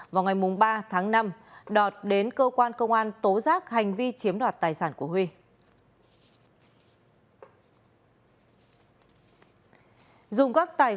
vào ngày ba tháng năm đọt đến cơ quan công an tố giác hành vi chiếm đoạt tài sản của huy